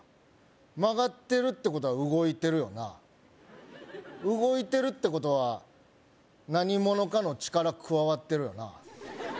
曲がってるってことは動いてるよな動いてるってことは何者かの力加わってるよな